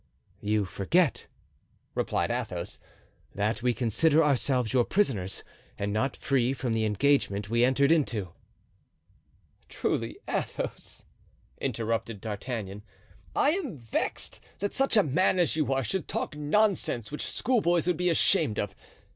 "You forget," replied Athos, "that we consider ourselves your prisoners and not free from the engagement we entered into." "Truly, Athos," interrupted D'Artagnan, "I am vexed that such a man as you are should talk nonsense which schoolboys would be ashamed of.